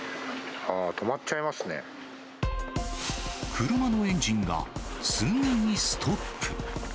車のエンジンがすぐにストップ。